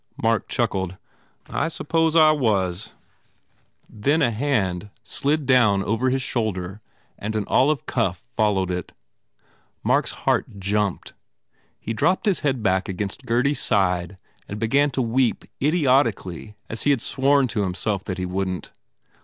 Mark chuckled, "I suppose I was," then a hand slid down over his shoulder and an olive cuff followed it. Mark s heart jumped. He dropped his head back against Gurdy s side and began to weep idiotically as he had sworn to himself that he wouldn t.